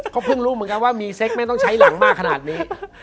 ก็เพิ่งรู้เหมือนกันว่ามีเซ็กไม่ต้องใช้หลังมากขนาดนี้